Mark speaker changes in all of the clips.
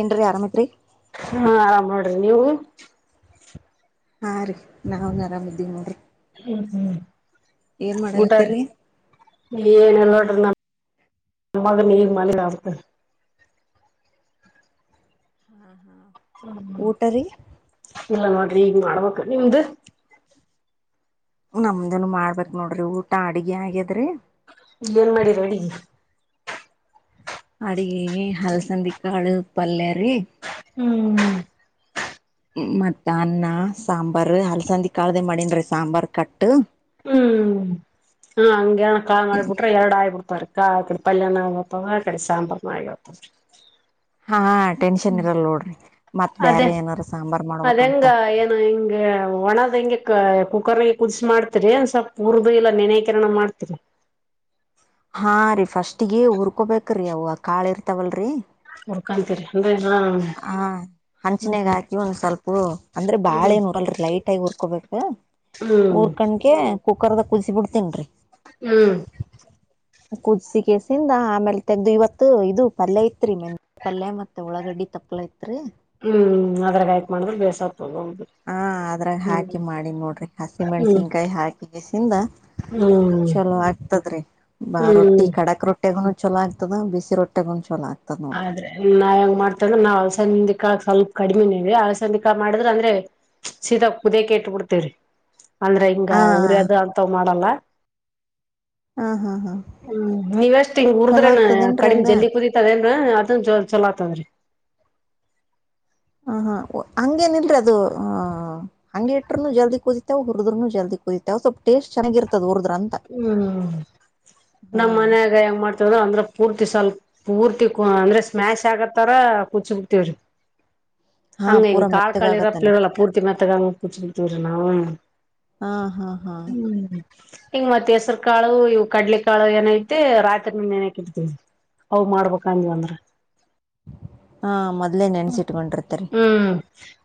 Speaker 1: ಏನ್ರಿ ಆರಾಮ ಐತ್ರಿ
Speaker 2: ಹಾ ಆರಾಮ್ ನೋಡ್ರಿ ನೀವು
Speaker 1: ಹಾ ರೀ ನಾವ್ನ ಆರಾಮ ಇದ್ದೀವಿ ನೋಡ್ರಿ.
Speaker 2: ಹ್ಮ ಹ್ಮ
Speaker 1: ಏನ್
Speaker 2: ಊಟ
Speaker 1: ಮಾಡಾಕತ್ತೇರಿ
Speaker 2: ಏನಲ್ಲ ನೋಡ್ರಿ ನ ನಮ್ಮಾಗ ನೀರ ಮಾಡಲೆನ ಅ
Speaker 1: ಹಾ ಹಾ
Speaker 2: ಹ್ಮ್ಇಲ್ಲ ನೋಡ್ರಿ ಈಗ ಮಾಡ್ಬೇಕ ನಿಮ್ದ
Speaker 1: ನಮ್ದನ ಮಾಡ್ಬೇಕ್ ನೋಡ್ರಿ ಊಟ ಅಡ್ಗೆ ಆಗ್ಯದ್ರಿ.
Speaker 2: ಇಲ್ಲೇನ ಮಾಡಿರಿ ಅಡಿಗಿ
Speaker 1: ಅಡಿಗಿ ಹಲಸಂದಿ ಕಾಳ ಪಲ್ಯಾರಿ.
Speaker 2: ಹ್ಮ.
Speaker 1: ಮತ್ತ ಅನ್ನ ಸಾಂಬಾರ ಅಲ್ಸಂದಿ ಕಾಳ್ದ ಮಾಡನ್ರರಿ ಸಾಂಬಾರ್ ಕಟ್
Speaker 2: ಹ್ಮ ನಂಗೇನ ಕಾಳ ಮಾಡ ಬಿಟ್ರ ಎರಡ ಆಗಿ ಬಿಡ್ತಾವರಿ. ಕ ಕಡೆ ಪಲ್ಯಾಣ ಆತ ಆ ಕಡೆ ಸಾಂಬಾರ್ ನಾಗವತ
Speaker 1: ಹಾ ಟೆನ್ಷನ್
Speaker 2: ಹ್ಮ
Speaker 1: ಇರಲ್ ನೋಡ್ರಿ ಮತ್
Speaker 2: ಅದೇ
Speaker 1: ಬೇರೆ ಏನಾರ ಸಾಂಬಾರ್
Speaker 2: ಅದಂಗ
Speaker 1: ಮಾಡ್ಬೇಕಂತ
Speaker 2: ಏನ ಹಿಂಗ ಒಣದ ಹೆಂಗೆ ಕ ಕರೆ ಕುದಿಸಿ ಮಾಡ್ತರಿ ಒಂದ್ ಸ್ವಲ್ಪ ಉರ್ದು ಎಲ್ಲಾ ನೆನಾಯಕಿರಣ ಮಾಡ್ತೀರಿ.
Speaker 1: ಹಾ ರೀ ಫಸ್ಟ್ಗ ಉರ್ಕೊಬೇಕ್ರೀ ಅವು ಕಾಳ ಇರ್ತಾವಲ್ರಿ.
Speaker 2: ಹುರ್ಕಳ್ತರಿ.
Speaker 1: ಹ ಹಂಚನಾಗ ಹಾಕಿ ಒಂದ ಸ್ವಲ್ಪ ಅಂದ್ರ
Speaker 2: ಹ್ಮ್
Speaker 1: ಬಾಳ ನೋಡಲ್ರಿ ಲೈಟ್ ಆಗಿ ಉುರ್ಕೋಬೇಕು.
Speaker 2: ಹ್ಮ್ ಹ್ಮ್
Speaker 1: ಊರ್ಕಂಡಕ ಕುಕ್ಕರ್ದಾಗ ಕೂಗಿಸಿ ಬಿಡ್ತೇನ್ರೀ
Speaker 2: ಹ್ಮ್
Speaker 1: [inaudible] ಕುದಿಸಿ ಕೇಸಿಂದ ಆಮೇಲೆ ತೆಗ್ದು ಇವತ್ತು ಇದು ಪಲ್ಯ ಐತ್ರಿ ಮೆಂತ್ಯ ಪಲ್ಯ ಮತ್ತೆ ಒಳಗಡ್ಡಿ ತಪ್ಲ ಇತ್ರಿ
Speaker 2: ಹ್ಮ್ ಅದ್ರಾಗ ಆಯ್ಕ್ ಮಾಡ್ರ ಬೇಸವ
Speaker 1: ಹಾ ಅದ್ರಾಗ ಹಾಕಿ ಮಾಡಿ ನೋಡ್ರಿ
Speaker 2: ಹ್ಮ್
Speaker 1: ಹಸಿಮೆಣಸಿನ್ಕಾಯಿ ಹಾಕ ಬಸಿಂದ
Speaker 2: ಹ್ಮ್
Speaker 1: ಚಲೋ ಆಗ್ತದ್ರೀ
Speaker 2: ಹ್ಮ್
Speaker 1: ರೊಟ್ಟಿ ಕಡಾಕ್ ರೊಟ್ಟಿಗುನು ಚಲೋ ಆಯ್ತದ ಬಿಸಿ ರೊಟ್ಟೆಗುನುಚಲೋ ಆಗ್ದೆ
Speaker 2: ಆದ್ರೆ ನಾವಯಂಗ ಮಾಡ್ತಂದ್ರ ನಾವ್ ಹಲಸಂದೆ ಕಾಳ್ ಸ್ವಲ್ಪ ಕಡಿಮೆನಿ ಹಲಸಂದಿ ಕಾಳ್ ಮಾಡಿದ್ರ ಅಂದ್ರೆ ಸೀದ ಕುಡಿಯಾಕ್ ಇಟ್ ಬಿಡ್ತೇವ್ರಿ ಅಂದ್ರೆ ಹಿಂಗ
Speaker 1: ಆ
Speaker 2: ಉರಿಯದ್
Speaker 1: ಹಾ
Speaker 2: ಅಂತವ್ ಮಾಡಲ್ಲ
Speaker 1: ಹಾ ಹಾ
Speaker 2: ಹ್ಮ್ ನೀವಷ್ಟ್ ಹಿಂಗ
Speaker 1: ಚಲೋ
Speaker 2: ಉರ್ದ್ರೆನ
Speaker 1: ಆಗ್ತದೇನ್ರಿ
Speaker 2: ಕಡಿಮ್
Speaker 1: ಹಂಗ
Speaker 2: ಜಲ್ದಿ ಕುದೀತದ್ರಿ ಹ ಅದ ಚಲೋಅತಂದ್ರಿ
Speaker 1: ಹ ಹಾ ಹಂಗೇಏನ ಇಲ್ರಿ ಅದು ಹಂಗ ಇಟ್ರರುನು ಜಲ್ದಿ ಕುದಿತಾವ್ ಉರ್ದ್ರುನು ಜಲ್ದಿ ಕುದಿತಾವ್ ಯಾವ ಸ್ವಲ್ಪ ಟೇಸ್ಟ್ ಚೆನ್ನಾಗಿರ್ತಾವ ಉರಿದ್ರೆ
Speaker 2: ಹ್ಮ್ ನಮ್ಮ
Speaker 1: ಹಾ
Speaker 2: ಮನ್ಯಾಗ ಹೆಂಗ ಮಾಡ್ತವದ ಅಂದ್ರೆ ಪೂರ್ತಿ ಸ್ವಲ್ಪ ಪೂರ್ತಿ ಅಂದ್ರೆ ಸ್ಮ್ಯಾಶ್ ಆಗತ್ತಾರ ಕುದಿಸಿಬಿಡ್ತ್ತಾವ್ರಿ
Speaker 1: ಹಾ
Speaker 2: ಅಂಗಂಗ
Speaker 1: ಪೂರಾ
Speaker 2: ಕಾಳ್ ಕಾಳ್
Speaker 1: ಮೆತ್ತಗಾಗತ್ತಲ್ಲ
Speaker 2: ಪಿಲ್ಲವಲ್ಲ ಪೂರ್ತಿ ಮೇತಗೆ
Speaker 1: ಹಾ ಹಾ ಹಾ
Speaker 2: ಹ್ಮ್ ಹಂಗ ಮತ್ತತ್ ಹೆಸರು ಕಾಳು ಇವು ಕಡಲೆ ಕಾಳು ಏನೈತೆ ರಾತ್ರಿ ನೆನೆಹಾಕಿ ಇಡ್ತವಿ ಅವು ಮಾಡ್ಬೇಕ ಅಂಗಂದ್ರೆ
Speaker 1: ಹಾ ಮೊದ್ಲೆೇ ನೆನ್ಸಿಟ್ಕೊಂಡ್ರಿ
Speaker 2: ಹ್ಮ್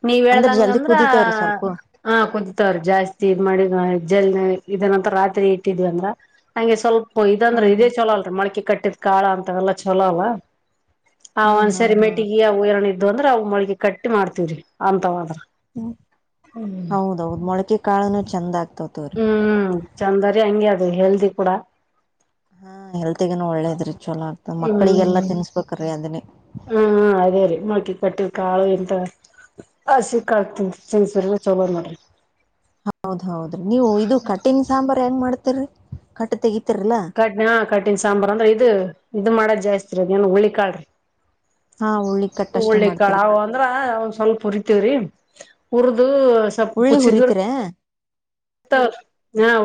Speaker 2: ನೀವ್ ಹೇಳಿದಂಗೆ ಅಂದ್ರ
Speaker 1: ಕುದಿತೇವ್ರಿ ಸ್ವಲ್ಪ
Speaker 2: ಹ ಕುಂತಾವ್ರಿ ಜಾಸ್ತಿ ಇದು [unintelligible] ಇದ ನಂತರ ರಾತ್ರಿ ಇಟ್ಟಿದ್ವಿ ಅಂದ್ರ ಅಂಗೆ ಸ್ವಲ್ಪ
Speaker 1: ಹಾ
Speaker 2: ಇದಂದ್ರೆ
Speaker 1: ಹಾ
Speaker 2: ಇದೇ ಚಲೋ ಅಲ್ರಿ ಮೊಳಕೆ ಕಟ್ಟ ಕಾಳ ಅಂತ ಎಲ್ಲಾ ಚಲೋ ಅಲ್ಲ ಆ
Speaker 1: ಹಾ ಹಾ
Speaker 2: ಒಂದ್ಸರಿ
Speaker 1: ಹಾ
Speaker 2: ಮೆಟ್ಟಿಗೆ ಇದು ಅಂದ್ರೆ ಅವು ಮೊಳಗಿ ಕಟ್ಟಿ ಮಾಡ್ತೀವ್ರಿ ಅಂತವಾದ್ರ
Speaker 1: ಹ್ಮ
Speaker 2: ಹ್ಮ್
Speaker 1: ಹೌದೌದ ಮೊಳಕೆ ಕಾಳನು ಚೆಂದ ಆಗ್ತವ ತೋರಿ
Speaker 2: ಹೆಲ್ತ್ ಕೂಡ
Speaker 1: ಹಾ ಹೆಲ್ತ್ಗನು ಒಳ್ಳೇದ್ರಿ ಚಲೋ ಆಗ್ತ ಮಕ್ಳಿಗೆಲ್ಲಾ
Speaker 2: ಹ್ಮ್
Speaker 1: ತಿನ್ಸ್ಬೇಕ್ರೀ ಅದನ್ನಿ
Speaker 2: ಹ್ಮ ಅದೇ ರೀ ಮೊಳ್ಕಿ ಕಟ್ಟಿದು ಕಾಳು ಇಂತವು ಹಸಿ ಕಾಳು ತಿನಿಸಿದ್ರೆ ಚಲೋ ನೋಡ್ರಿ
Speaker 1: ಹೌದ್ ಹೌದ್ರಿ ನೀವು ಇದು ಕಟಿನ್ ಸಾಂಬಾರ್ ಹೆಂಗ ಮಾಡ್ತರರಿ ಕಟ್ ತೆಗಿ
Speaker 2: ಕಟ್ ಹಾ ಕಟನ್ ಸಾಂಬಾರ್ ಅಂದ್ರೆ ಇದು ಇದು ಮಾಡದ ಜಾಸ್ತಿರದ ಏನ್ ಹುಳಿಕಾಳ್ರಿ
Speaker 1: ಹಾ ಉಳ್ಳಿ ಕಟ್ ಅಷ್ಟೇ
Speaker 2: ಹುಳ್ಳಿ ಕಾಳ
Speaker 1: ಮಾಡ್ತೀರಿ
Speaker 2: ಅಂದ್ರ ಅವ ಸ್ವಲ್ಪ ಉರಿತಿವ್ರಿ ಉರ್ದು
Speaker 1: ಉಳ್ಳಿ ಹುರಿತಿರ
Speaker 2: [unintelligible]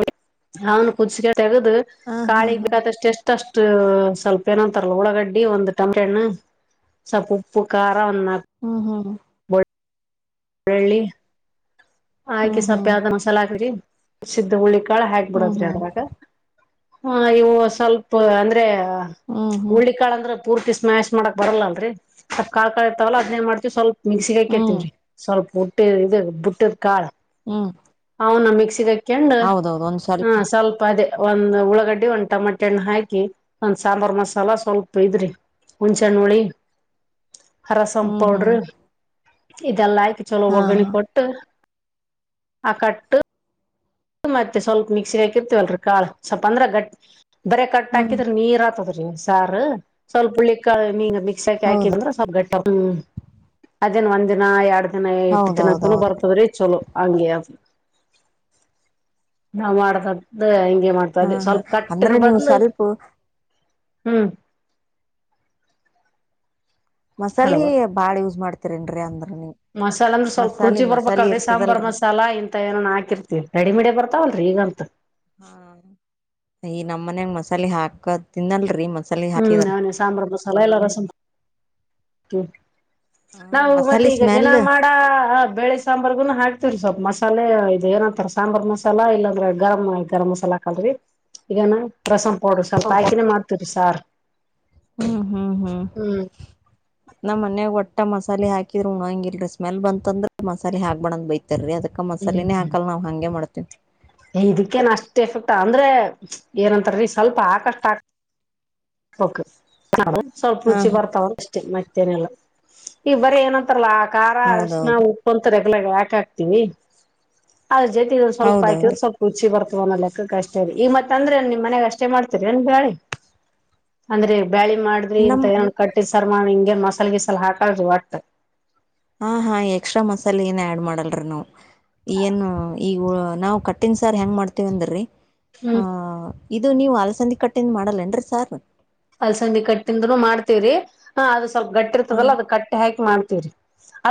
Speaker 2: ಅವುನ ಕುಸ್ಕಾ ತೆಗದು
Speaker 1: ಹಾ ಹಾ
Speaker 2: ಕಾಳಿಗೆ
Speaker 1: ಹಾ
Speaker 2: ಬೇಕಾದಷ್ಟು ಅಷ್ಟ ಇಷ್ಟು ಸ್ವಲ್ಪ ಏನೋಂತರಲ್ಲ ಉಳ್ಳಾಗಡ್ಡಿ ಒಂದು ಟೊಮೊಟೊ ಹಣ್ಣು ಸ್ವಲ್ಪ ಉಪ್ಪು ಖಾ
Speaker 1: ಹ್ಮ್ ಹ್ಮ
Speaker 2: [unintelligible] ಆಯ್ಕಿ
Speaker 1: ಹ್ಮ್
Speaker 2: ಸೊಪ್ಪೆ ಆದ
Speaker 1: ಹ್ಮ್
Speaker 2: ಮಸಾಲ ಹಾಕ್ರಿ ಮಿಕ್ಕಿದು ಹುಳ್ಳಿಕಾಳ
Speaker 1: ಹ್ಮ್ ಹ್ಮ್
Speaker 2: ಹಾಕ್ಬಿಡದ್ರಿ ಅದ್ರಾಗ ಹಾ ಇವು ಸ್ವಲ್ಪ ಅಂದ್ರೆ
Speaker 1: ಹ್ಮ್ ಹ್ಮ್ ಹ್ಮ್
Speaker 2: ಹುಳ್ಳಿಕಾಳ್ ಅಂದ್ರೆ ಪೂರ್ತಿ ಸ್ಮ್ಯಾಶ್ ಮಾಡಾಕ್ ಬರಲ್ಲ ಅಲ್ರಿ ಅ ಕಾ ಕಾ ಇರ್ತವಲ್ಲ ಅದನೇ ಮಾಡ್ತಿವಿ ಸ್ವಲ್ಪ ಮಿಕ್ಸಿಂಗೆ
Speaker 1: ಹ್ಮ್
Speaker 2: ಹಾಕೊಂತೀವಿರಿ ಸ್ವಲ್ಪ ಉುಟ್ಟ ಇ ಬುಟ್ಟದ್ ಕಾಳ್
Speaker 1: ಹ್ಮ
Speaker 2: ಅವನ ಮಿಕ್ಸಿಗೆ ಹಾಕೊಂಡು ಹಾ ಸ್ವಲ್ಪ ಅದೇ ಒಂದ್ ಉಳ್ಳಾಗಡ್ಡಿ ಒಂದ್ ಟಮೋಟೆ ಹಣ್ಣ ಹಾಕಿ ಒಂದ್ ಸಾಂಬಾರ್ ಮಸಾಲ ಸ್ವಲ್ಪ ಇದ್ರಿ ಹುಂನ್ಸೆನ್ ಹುಳ್ಳಿ ರ ರಸಂ
Speaker 1: ಹ್ಮ್ ಹ್ಮ್
Speaker 2: ಪೌಡ್ರು ಇದೆಲ್ಲ ಆಯಕು ಚಲೋ
Speaker 1: ಹಾ
Speaker 2: ಒಗ್ಗರಣಿ
Speaker 1: ಹಾ
Speaker 2: ಕೊಟ್ಟು ಅಕಟ್ಟ ಮತ್ತೆ ಸ್ವಲ್ಪ ಮಿಕ್ಸಿ ಹಾಕಿರ್ತೀವಲ್ರಿ ಕಾಳ ಸ್ವಲ್ಪ ಅಂದ್ರೆ ಗಟ್ ಬರ ಕಟ್
Speaker 1: ಹ್ಮ್
Speaker 2: ಹಾಕಿದ್ರೆ ನೀರ್ ಆತದ ಸ್ವಲ್ ಮಿಂದ
Speaker 1: ಹೌದು
Speaker 2: ಸ್ಲ್ಪ ಹ ದಿನ ಒಂದ್ನ ಎರಡ್ ದಿನ ಇಟ್ಟು ದಿನಕ್ಕೂ
Speaker 1: ಹೌದೌದೌದ್ರಿ
Speaker 2: ಬರ್ತದ್ರೀ ಚಲೋ ಹಂಗಗೆ ಅದು ನಾ ಮಾಡದ್ದ
Speaker 1: ಹಾ
Speaker 2: ಮಾಡ್ತದೆ
Speaker 1: ಹಾ
Speaker 2: ಸ್ವಲ್ಪ ಕಟ್ಟರ
Speaker 1: ಅಂದ್ರೆ ನೀವು
Speaker 2: ಬದ್ಲು
Speaker 1: ಸ್ವಲ್ಪ
Speaker 2: ಹ್ಮ್ ಹಲೋ
Speaker 1: ಮಸಾಲೆ ಬಾಳ್ ಯೂಸ್ ಮಾಡ್ತರಿನ್ರರಿ ಅಂದ
Speaker 2: ಮಸಾಲ ಅಂದ್ರ ಸ್ವಲ್ಪ ರುಚಿ ಬರ್ಬೇಕಲ್ರರಿ ಸಾಂಬಾರ್
Speaker 1: ಇರ್ತದಲ್ರಿ
Speaker 2: ಮಸಾಲ ಇಂತ ಏನ ಹಾಕಿರ್ತಿವಿ ರೆಡಿಮಿಡಿ ಬರ್ತಾವಲ್ರಿ ಈಗ
Speaker 1: ಹಾ ಈ ನಮ್ಮ್ ಮನ್ಯಾಗ ಮಸಾಲೆ ಹಾಕ ತಿನ್ನಲ್ರಿ ಮ
Speaker 2: ಹ್ಮ್ ನೇ ಸಾಂಬಾರ ಮಸಾಲ ಎಲ್ಲಾ ರಸ
Speaker 1: ಹ
Speaker 2: ನಾವು ಮತ್ತೆ
Speaker 1: ಮಸಾಲೆ
Speaker 2: ಈಗ ದಿನ
Speaker 1: ಸ್ಮೆಲ್
Speaker 2: ಮಾಡ ಬೇಳೆ ಸಾಂಬಾರ್ಗುನು ಹಾಕ್ತವ್ರಿ ಸ್ವಲ್ಪ ಮಸಾಲೆ ಇದು ಏನಂತಾರ ಸಾಂಬಾರ್ ಮಸಾಲಾ ಇಲ್ಲಾಂದ್ರೆ ಗರಂ ಗರಂಮಸಾಲಾಕಲ್ರಿ ಈಗೇನ ರಸ ಹೌಡ್ರ ಸ್ವಲ್ಪ ಆಯ್ಕೆಮಾಡ್ತಿರಿ ಸಾರ್
Speaker 1: ಹ್ಮ್ ಹ್ಮ್ ಹ್ಮ್ ನಮ್ಮ ಮನ್ಯಾಗ ಒಟ್ಟ ಮಸಾಲೆ ಹಾಕಿದ್ರರು ಉಣಂಗಲ್ ಸ್ಮಲ್ ಬಂತಂದ್ರೆ ಮಸಾಲ ಹಾಕ್ ಬಣಂದ್ ಬೈತ ರಿ ಅದಕ್ಕ
Speaker 2: ಹ್ಮ್
Speaker 1: ಮಸಾಲಿನೇ
Speaker 2: ಹ್ಮ್
Speaker 1: ಹಾಕಲ್ಲ ನಾವವು ಹಂಗೆ ಮಾಡ್ತವಿ
Speaker 2: ಇದಕ್ಕೇನ್ ಅಷ್ಟ್ ಎಫೆಕ್ಟ್ ಅಂದ್ರೆ ಏನಂತಾರೀ ಸ್ವಲ್ಪ ಹಾಕಷ್ಟಕ್ ಓಕ ಸ್ವಲ್ಪ
Speaker 1: ಹಾ
Speaker 2: ರುಚಿ
Speaker 1: ಹಾ
Speaker 2: ಬರ್ತಾವ ಅಷ್ಟೇ ಮತ್ತೆ ಏನ್ ಇಲ್ಲ ಈ ಬರೀ ಏನಂತಾರಲ್ಲ ಆ ಖಾರ ಅರ್ಶಿನ
Speaker 1: ಹೌದೌದು
Speaker 2: ಉಪ್ಪುಂತಾರೆ ಹಾಕ ಹಾಕ್ತಿವಿ ಅದ ಜತಿ ಸ್ವಲ್ಪ ಹಾಕಿದ
Speaker 1: ಹೌದೌದು
Speaker 2: ಸ್ವಲ್ಪ ರುಚಿ ಬರ್ತ ಒ ಲೆಕ್ಕ ಕಷ್ಟ ಇರಿ ಈಗ ಮತ್ತ ಅಂದ್ರೆ ನಿಮ್ಮ ಮನೆಗ್ ಅಷ್ಟೇ ಮಾಡ್ತರಿ ಅಏನ್ ಬಾಳಿ ಅಂದ್ರೆ ಬ್ಯಾಳಿ ಮಾಡಿದ್ರಿ ಇಂತ
Speaker 1: ನಮ್
Speaker 2: ಏನ ಕಟ್ಟಿದ್ ಸರ್ಮನ್ ಹಿಂಗೇನ್ ಮಸಾಲೆ ಗೀಸಲ್ ಹಾಕಲ್ ಆ್ತ
Speaker 1: ಹಾ ಹಾ ಎಕ್ಸ್ಟ್ರಾ ಮಸಾಲೆ ಏನ ಆಡ್ ಮಾಡಲ್ರಿ ನಾವವು ಏನು ಈ ನಾವು ಕಠಿನ್ ಸಾರ್ ಹೆಂಗ್ ಮಾಡ್ತೀವ ಅಂದೀ ಆ
Speaker 2: ಹ್ಮ್
Speaker 1: ಇದು ನೀವು ಅಲಸಂದಿ ಕಟ್ಟೆಯಿಂದ ಮಾಡಲ್ಲೇನ್ರರಿ ಸಾರ್
Speaker 2: ಅಲ್ಸಂದಿ ಕಟ್ಟಿಂದನನು ಮಾಡ್ತೇವ್ರರಿ ಹ ಅದು ಸ್ವಲ್ಪ ಗಟ್ಟಿ
Speaker 1: ಹ್ಮ
Speaker 2: ಇರ್ತದಲ್ಲ ಅದ ಕಟ್ಟಿ ಹಾಕಿ ಮಾಡ್ತೇವ್ರಿ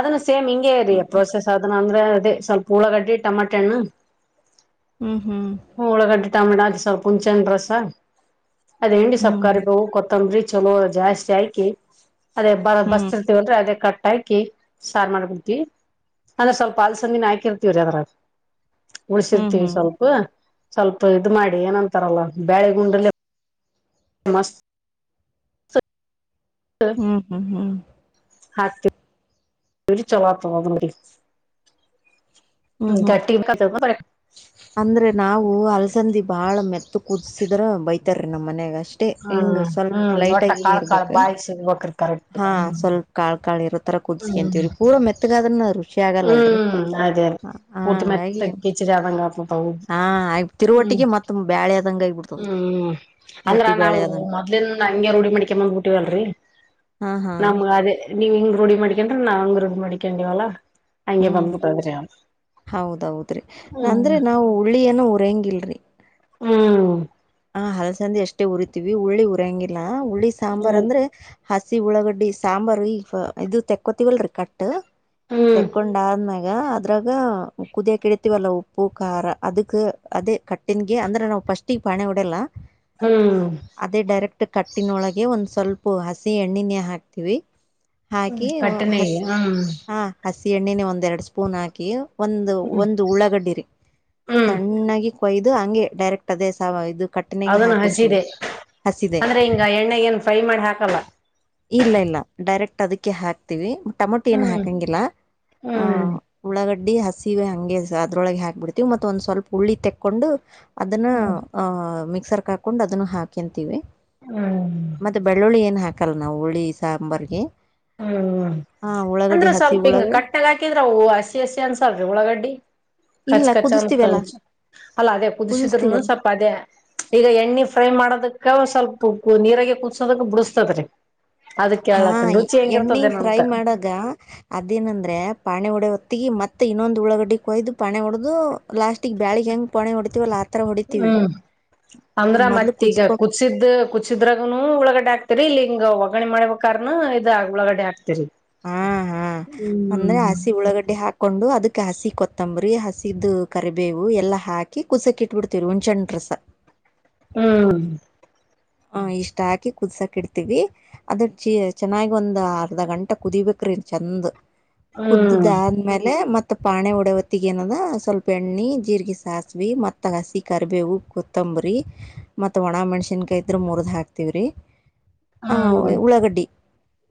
Speaker 2: ಅದನ್ನ ಸೇಮ್ ಹಿಂಗಗೆ ರೀ ಪ್ರೊಸೆಸ್ ಅದನ್ನ ಅಂದ್ರೆ ಅದೇ ಸ್ವಲ್ಪ ಉಳ್ಳಾಗಡ್ಡಿ ಟಮಾಟೆ ಹಣ್ಣ
Speaker 1: ಹ್ಮ
Speaker 2: ಹ ಉಳ್ಳಾಗಡ್ಡಿ ಟೊಮೆಟ ಅದ್ ಸ್ವಲ್ಪ ಹುಣಚೆನ್ ರಸ ಅದ್ ಎಂಡಿ
Speaker 1: ಹ್ಮ್
Speaker 2: ಸಪ್ಪಕಾರಿ ಹೂವು ಕೊತ್ತಂಬರಿ ಚಲೋ ಜಾಸ್ತಿ ಆಯಕಿ ಅದೇ ಬರ
Speaker 1: ಹ್ಮ್
Speaker 2: ಬರ್ತಿರ್ತೇವಂದ್ರೆ ಅದೇ ಕ ಹಾಕಿ ಸಾರು ಮಾಡ್ಬಿಡ್ತಿವಿ ಅಂದ್ರೆ ಸ್ವಲ್ಪ ಹಲ್ಸಂದಿನ ಹಾಕಿರ್ತೀವ್ರೀ ಅದ್ರ
Speaker 1: ಹ್ಮ್ ಹ್ಮ್
Speaker 2: ಉಳಸಿರ್ತೀವಿ
Speaker 1: ಹ್ಮ್
Speaker 2: ಸ್ವಲ್ಪ ಸ್ವಲ್ಪ ಇದ್ ಮಾಡಿ ಏನಂತಾರಲ್ಲ ಬ್ಯಾಳೆ ಗುಂಡಲ್ಲಿ ಮಸ್
Speaker 1: ಹ್ಮ್ ಹ್ಮ್ ಹ್ಮ್
Speaker 2: ಹಾತ ಇರಿ ಚಲ ತ ಅದಡಿ
Speaker 1: ಹ್ಮ್
Speaker 2: ಗಾಟ್ಟಿ ಕತ ಹೊ
Speaker 1: ಸಂದಿ ಬಾಳ ಮೆತ್ತ ಕುದಸಿದ್ರ ಬೈತಾರೀ ನಮ್ಮ ಮನಯಾಗ ಅಷ್ಟೇ ಹಿಂಗ
Speaker 2: ಹ್ಮ್
Speaker 1: ಸ್ವಲ್ಪ
Speaker 2: ಹ್ಮ್
Speaker 1: ಲೈಟ್
Speaker 2: ಒಟ್ಟ
Speaker 1: ಆಗಿ
Speaker 2: ಕಾಳ್ ಕಾಳ್
Speaker 1: ಇರ್ಬೇಕ
Speaker 2: ಬಾಯಿಗ್ ಸಿಗ್ಬೇಕ್ರಿ ಕರೆಕ್ಟ್
Speaker 1: ಹಾ
Speaker 2: ಹ್ಮ್
Speaker 1: ಸ್ವಲ್ಪ ಕಾಳ್ ಕಾಳ ಇರುತ್ತೆ ತರ ಕುದ್ಕ
Speaker 2: ಹ್ಮ್
Speaker 1: ಅಂತೀವರಿ ಪೂರ ಮೆತ್ಗಾದ್ರ ಖುಷಿ ಆಗಲ್ಲಲ್ರಿ
Speaker 2: ಹ್ಮ್ ಅದೇ ಊಟ
Speaker 1: ಹಂಗಾಗಿ
Speaker 2: ಮೆತ್ತಗ್ ಕಿಚಡಿ ಆದಂಗ ಆತದ ಅವು
Speaker 1: ಹಾ ಆಯ
Speaker 2: ಹ್ಮ್
Speaker 1: ತಿರುವರುವಟಿಗೆ ಮತ್ತ ಬ್ಯಾಳೆದಂಗ ಆಗಬಿಡ್ತದ
Speaker 2: ಹ್ಮ್ ಅಂದ್ರ
Speaker 1: ಗಟ್ಟಿ
Speaker 2: ನಾವು
Speaker 1: ಬ್ಯಾಳೆದಂಗ
Speaker 2: ಹಂಗೆ ರೂಢಿ ಮಕಂದ್ ಬಿಟ್ಟವಲ್ರರಿ
Speaker 1: ಹಾ ಹಾ
Speaker 2: ನಮ್ ಅದೇ ನೀ ಹಂಗ ರೂಢಿ ಮಾಡಕೊಂಡ್ರ ನಾವು ಹಂಗ ರೂಢಿ ಮಾಡಕೊಂಡಿವವಲ್ಲ
Speaker 1: ಹ್ಮ್ ಹೌದೌದ್ರಿ
Speaker 2: ಹ್ಮ್
Speaker 1: ಅಂದ್ರೆ ನಾವು ಹುಳ್ಳಿಯನ ಉರಂಗಿಲ್ರಿ
Speaker 2: ಹ್ಮ್
Speaker 1: ಹ ಹಲ್ಸಂದೆ ಅಷ್ಟೇ ಉರಿತಿವಿ ಹುಳ್ಳಿ ಉರ್ಯಂಗಿಲ್ಲ ಹುಳ್ಳಿ ಸಾಂಬಾರ್
Speaker 2: ಹ್ಮ್
Speaker 1: ಅಂದ್ರೆ ಹಸಿ ಉಳ್ಳಾಗಡ್ಡಿ ಸಾಂಬಾರು ಈವ ಇದು ತೆಕ್ಕೋತವಲ್ರರಿ ಕಟ್ ಟ್ಟು ತೆಕ್ಕೊಂಡಾ ಆದ್ಮೇಕ. ಯಾ ಅದ್ರಾಗ ಕುದಿಯ ಕ ಇಡಿತೀವಲ್ಲ ಉಪ್ಪು ಖಾರ ಅದಕ್ ಅದೇ ಕಟ್ಟನ್ಗೆ ಅಂದ್ರೆ ನಾವು ಫಸ್ಟ್ಗ ಪಾಣೆ ಹೊಡೆಲ್ಲ
Speaker 2: ಹ್ಮ್
Speaker 1: ಅದೇ ಡೈರೆಕ್ಟ್ ಕಟ್ಟಿನೊಳಗೆ ಒಂದ ಸ್ವಲ್ಪ ಪು ಹಸಿ ಎಣ್ಣಿನ ಹಾಕ್ತವಿ ಹಾಕಿ
Speaker 2: ಹ್ಮ್
Speaker 1: ಹು
Speaker 2: ಕಟ್ಟನೆ
Speaker 1: ಹಸ್
Speaker 2: ಹ್ಮ್
Speaker 1: ಹ. [unintelligible] ಎಣ್ಣನೆ ಒಂದ ಎರಡು ಸ್ಪೂನ್ ಹಾಕಿ ಒಂದ
Speaker 2: ಹ್ಮ್
Speaker 1: ಒಂದ ಉಳ್ಳಾಗಡ್ಡಿ ರಿ
Speaker 2: ಹ್ಮ್
Speaker 1: ಸಣ್ಣಾಗಿ ಕೊಯ್ದು ಹಂಗೆ ಡೈರೆಕ್ಟ್ ಅದೇ ಸಾವ ಇದು. ಕಟ್ಟನ್ಯಾಗೆ
Speaker 2: ಅದನ್ನು
Speaker 1: ಹಾಕ್ಬಿಡ್ತೇವೆ
Speaker 2: ಹಸಿದೆ
Speaker 1: ಹಸಿದೆ.
Speaker 2: ಅಂದ್ರೆ ಹಿಂಗ ಎಣ್ಣೆಗ ಏನ್ ಫ್ರೈ ಮಾಡಿ ಹಾಕಲ್ಲ
Speaker 1: ಇಲ್ಲ ಇಲ್ಲ ಡೈರೆಕ್ಟ್ ಅದಕ್ಕೆ ಹಾಕ್ತಿವಿ. ಟಮಟ ಏನ
Speaker 2: ಹ್ಮ್
Speaker 1: ಹಾಕಂಗಿಲ್ಲ ಅ
Speaker 2: ಹ್ಮ್
Speaker 1: ಉಳ್ಳಾಗ ಡ್ಡಿ ಹಸಿವೆ ಹಂಗೆ ಅದರೊಳಗೆ ಹಾಕಿಬಿಡ್ತೀವಿ ಮತ್ತೆ ಒಂದು ಸ್ವಲ್ಪ ಹುರಳಿ ತೆಕ್ಕೊಂಡು ಅದನ್ನ.
Speaker 2: ಹ್ಮ್
Speaker 1: ಅ ಮಿಕ್ಸರ್ ಕ ಹಾಕೊಂಡು ಅದನ್ನು ಹಾಕಂತೀವಿ.
Speaker 2: ಹ್ಮ್
Speaker 1: ಮತ್ತ ಬೆಳ್ಳುಳ್ಳಿ ಏನ್ ಹಾಕಲ್ಲ ನಾವ ಹುರಳಿ ಸಾಂಬರ್ ಗೆ.
Speaker 2: ಅಂದ್ರ ಸ್ವಲ್ಪ ಹಿಂಗ ಕಟ್ಟಗ್ ಹಾಕಿದ್ರ ಅವು ಹಸಿ ಹಸಿ ಅನ್ಸಲ್ರಿ ಉಳಗಡ್ಡಿ. ಕಚ್
Speaker 1: ಇಲ್ಲ
Speaker 2: ಕಚ್
Speaker 1: ಕುದಿಸ್ತೀವಲ್ಲಾ
Speaker 2: ಅನಿಸ್ತಾವ ಅಲ್ಲ ಅದೇ ಕುದಿಸಿದ್ರೂನು
Speaker 1: ಕುದಿಸ್ತೀವಲ್ಲ
Speaker 2: ಸ್ವಲ್ಪ ಅದೇ. ಈಗ ಎಣ್ಣೆ ಫ್ರೈ ಮಾಡೋದಕ್ಕೆ ಸ್ವಲ್ಪ ನೀರಾಗ ಕುದಸೋದಕ್ ಬುಡಸ್ತತ್ರಿ. ಅದ
Speaker 1: ಹಾಂ
Speaker 2: ಕೇೇಳತನ್ನ ರುಚಿ ಹೆಂಗಿರ್ತದ ಏನೋ ಅಂತ.
Speaker 1: ಅದೇನಂದ್ರೆ ಪಾಣಿ ಹೊಡೆ ಹೊತ್ತಿಗೆ ಮತ್ತೆ ಇನ್ನೊಂದು ಉಳ್ಳಾಗಡ್ಡೆ ಕೊಯ್ದು ಪಾಣೆ ಹೊಡೆದು ಲಾಸ್ಟಿಗ. ಬ್ಯಾಳಿಗ್ ಹೆಂಗೆ ಪಾಣಿ ಹೊಡಿತೀವಲ್ಲ ಆ ಥರ ಹೊಡಿತೀವಿ.
Speaker 2: ಹ್ಮ್ ಅಂದ್ರ
Speaker 1: ಮೊದಲು
Speaker 2: ಮತ್ತ ಈಗ
Speaker 1: ಕುದ್ಸ್ಕೊ
Speaker 2: ಕುದಿಸಿದ್ದ ಕುಸಿದ್ರಾಗನು ಒಳಗಡೆ ಆಗ್ತರಿ ಇಲ್ಲಿಗ ಹಿಂಗ ಒಗ್ಗರಣಿ ಮಾಡ್ಬೇಕ ಅರ್ನು ಇದ ಉಳ್ಳಾಗಡ್ಡಿ ಹಾಕ್ತೀರಿ.
Speaker 1: ಹಾ ಹಾ ಅಂದ್ರೆ ಹಸಿ ಉಳ್ಳಾಗಡ್ಡಿ ಹಾಕೊಂಡು ಅದಕ್. ಹಸಿ ಕೊತ್ತಂಬ್ರಿ ಹಸಿದ ಕರಿಬೇವು ಎಲ್ಲ ಹಾಕಿ ಕುಸಕ್ ಇಟ್ಟಟ್ಬಿಡ್ತೇವ ಹುಣಚೆ ಹಣ್ಣ ರಸ. [inaudible]
Speaker 2: ಹ್ಮ್.
Speaker 1: ಹ ಇಷ್ಟ ಹಾಕಿ ಕುದಸಾಕ್ ಇಡ್ತೀವಿ ಅದು ಚಿ ಚೆನ್ನಾಗಿ ಒಂದ್ ಅರ್ಧ ಗಂಟೆ ಕುದಿಬೇಕ. ರಿ ಚಂದ
Speaker 2: ಹ್ಮ್
Speaker 1: ಕುದ್ದುದಾದ್ಮೇಲೆ ಮತ್ತ ಮತ್ತ ಪಾಣೆ ಒಡೆ ಹೊತ್ತಿಗೆ ಏನದ ಸ್ವಲ್ಪ ಎಣ್ಣಿ ಜೀರಿಗೆ ಸಾಸ್ವಿ ಮತ್ತ ಹಸಿ ಕರಿಬೇವೂ ಕೋತಂ ಬರಿ ಮತ್ತ ಒಣ ಮೆಣಸನ್ಕಾಯಿ ಇದ್ರ ಮೂರ್ದ ಹಾಕ್ತಿವ್ರಿ ಆ ಉಳ್ಳಾಗಡ್ಡಿ.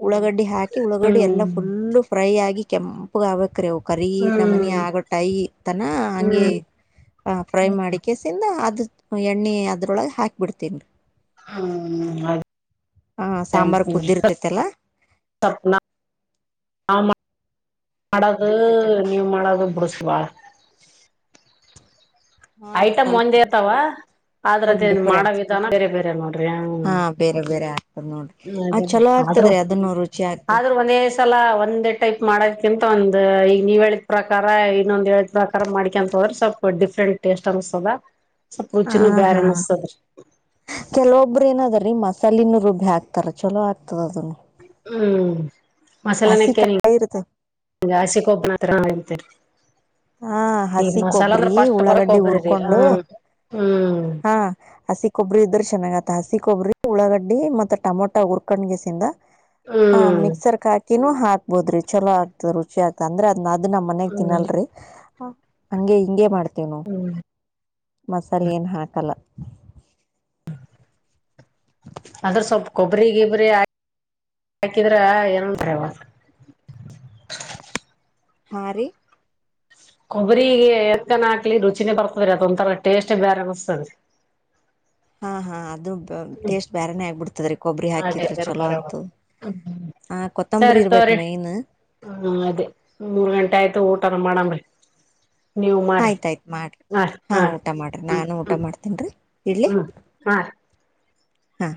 Speaker 1: ಉಳ್ಳಾಗಡ್ಡಿ ಹಾಕಿ ಉಳ್ಳಗಡ್ಡೆ ಎಲ್ಲಾ
Speaker 2: ಹ್ಮ್
Speaker 1: ಫುಲ್ಲು ಫ್ರೈ ಆಗಿ ಕೆಂಪಗ ಆಗ್ಬೇಕ್ರಿ ಅವ. ಕರಿ ನಮನಿ ಆಗೋ ಟ್ಟೈ ತನ ಹಂಗೆ ಆ ಫ್ರೈ ಮಾಡಿಕಸಿಂದ ಅದ ಎಣ್ಣೆ ಅದ್ರೊಳಗೆ ಹಾಕಿಬಿಡ್ತೇನ್ರಿ.
Speaker 2: ಹ್ಮ್ ಅದ.
Speaker 1: ಹ ಸಾಂಬಾರ ಕುದ್ದಿರ್ತೈತೆಲ್ಲಾ.
Speaker 2: ತಪ್ಪ ನಾ. [unintelligible] ನೀವ್ ಮಾಡದು ಬಿರುಸ ಬಾಳ್.
Speaker 1: ಹಾ
Speaker 2: ಐಟಮ್
Speaker 1: ಸ್ವಲ್ಪ
Speaker 2: ಒಂದೇ ಇರ್ತಾವ.
Speaker 1: ಸ್ವಲ್ಪ
Speaker 2: ಆದ್ರದ ಮಾಡ
Speaker 1: ಡಿಫ್ರೆಂಟ್
Speaker 2: ವಿಧ ಬೇರೆ ಬೇರೆ ನೋಡ್ರಿ
Speaker 1: ಹಾ
Speaker 2: ಹ್ಮ್.
Speaker 1: ಬೇರೆ ಬೇರೆ ಆಗ್ತದ ನೋಡ್ರಿ ಆ ಚಲೋ
Speaker 2: ಆದ್ರರು
Speaker 1: ಆಗ್ತದ್ರಿ ಅದನ್ನು ರುಚಿ ಆಗ್ತದ
Speaker 2: ಆದ್ರೂ ಒಂದೇ ಸಲ ಒಂದೇ ಟೈಪ್ ಮಾಡೋದಕಿಂತ ಒಂದ ಈಗ. ನೀವ್ ಹೇಳಿದ್ ಪ್ರಕಾರ ಇನ್ನೊಂದ್ ಹೇಳಿದ್ ಪ್ರಕಾರ ಮಾಡಿಕೆಂತ ಹೋದ್ರ ಸ್ವಲ್ಪ ಡಿಫ್ರೆಂಟ್ ಟೇಸ್ಟ್ ಅನ್ಸ್ತದ. ಸ್ವಲ್ಪ ರುಚಿನೂ
Speaker 1: ಹ
Speaker 2: ಬ್ಯಾರೆ
Speaker 1: ಹಾ
Speaker 2: ಅನ್ಸ್ತದ್ರಿ
Speaker 1: ಕೆಲವೊಬ್ಬರ ಏನದ್ರೀ ಮಸಾಲೆನ್ನುರುಬ್ ಬ್ಬಿ ಹಾಕ್ತಾರ ಚೊಲೋ ಹತ್ತದ ಅದನ್ನು.
Speaker 2: ಹ್ಮ್ ಮಸಾಲ
Speaker 1: ಹಸಿ
Speaker 2: ನಕ್ಕೇರಿ
Speaker 1: ಕಾಯಿ ಇರುತ್ತ
Speaker 2: ಆಸಿಕೋಪನ ಹತ್ರ. ತ್ತಿರ.
Speaker 1: ಹಾ ಹಸಿ ಕೊಬ್ಬರಿ
Speaker 2: ಬರ
Speaker 1: ಉಳ್ಳಾಗಡ್ಡಿ
Speaker 2: ಕೊಬ್ಬ್ರಿರಿ
Speaker 1: ಹುರ್ಕೊಂಡು.
Speaker 2: ಹ್ಮ್ ಹ್ಮ್
Speaker 1: ಹಾ ಹಸಿ ಕೊಬ್ರಿ ಇದರು ಚೆನ್ನಾಗತ್ತ. ಹಾಸಿ ಕೊಬ್ರರಿ ಉಳ್ಳಾಗಡ್ಡಿ ಮತ್ತೆ ಟಮೊಟ ಉರ್ಕೊಂಡ್ಗೆಸಿಂದ ಆ
Speaker 2: ಹ್ಮ್
Speaker 1: ಮಿಕ್ಸರ್ ಹಾಕಿ. ನು ಹಾಕ್ಬೋದ್ರಿ ಚೊಲೋ ಆಗ್ತ ರುಚಿ ಆಗ್ತ ಅ್ರ ಅದ್ ಅ್ ನಮ್ಮ ಮನಯಗ್
Speaker 2: ಹ್ಮ್
Speaker 1: ತಿನ್ನಲ್ರರಿ. ಹ ಹಂಗೆ ಹಿಂಗೆ ಮಾಡ್ತಿವ್ ನಾವ್ - ಮಸಾಲ್ ಏನ್ ಹಾಕಲ್ಲ.
Speaker 2: ಅದ್ರ ಸ್ವಲ್ಪ ಕೊಬ್ಬರಿ ಗಿಬ್ರ ಹಾಕಿದ್ರ ಏನ [unintelligible] [inaudible]
Speaker 1: ಹಾ ರಿ
Speaker 2: ಕೊಬ್ಬ್ರಿಗೆ ಎತ್ಕನ್ ಹಾಕ್ಲಿ ರುಚಿನೇ ಬರ್ತದ್ರೀ ಅದೊಂಥರ ಟೇಸ್ಟ್ ಬೇರೆ ಅನಿಸ್ತದೆ.
Speaker 1: [inaudible] ಹಾ ಹಾ ಅದೂ ಟೇಸ್ಟ್ ಬೇರಾನೇ ಆಗ್ಬಿಡ್ತದ ರೀ ಕೊಬ್ಬರಿ ಹಾಕಿದ್ರ ಚಲೋ ಆಗ್ತದ.
Speaker 2: ಹ್ಮ
Speaker 1: ಆ ಕೊತ್ತಂಬರಿ
Speaker 2: ಸರಿ
Speaker 1: ಇರ್ಬೇಕ್
Speaker 2: ತಗೊರಿ.
Speaker 1: ಮೇನ್
Speaker 2: ಹ್ಮ ಅದೇ ಮೂರ್ ಗಂಟೆ ಆಯ್ತು ಊಟನೆ ಮಾಡನ್ ನ್ರಿ. ನೀವು ಮಾಡ್ರಿ
Speaker 1: ಆಯ್ತಾಯ್ತ್ ಮಾಡ್ರಿ
Speaker 2: ಮಾಡ್ ಹ ಹಾ
Speaker 1: ಊಟ ಮಾಡ್ರಿ
Speaker 2: ಹ್ಮ್
Speaker 1: ನಾನು ಊಟ
Speaker 2: ಹ್ಮ್
Speaker 1: ಮಾಡ್ತೇನ್ರಿ ಇಡ್ಲಿ
Speaker 2: ಹ್ಮ್ ಹಾ
Speaker 1: ಹಾ